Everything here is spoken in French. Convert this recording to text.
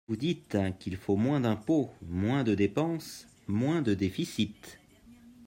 Vous dites qu’il faut moins d’impôts, moins de dépenses, moins de déficit.